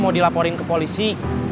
mau dilaporin ke polisi